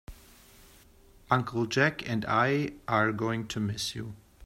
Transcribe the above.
Uncle Jack and I are going to miss you.